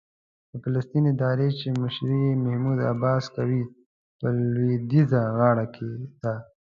د فلسطین اداره چې مشري یې محمود عباس کوي، په لوېدیځه غاړه کې ده.